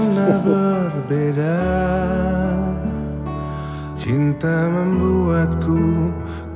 tapi kebahagiaannya lebih banyak